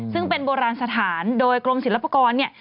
ซึ่งเป็นโบราณสถานโดยกรมศิลปากรเนี่ย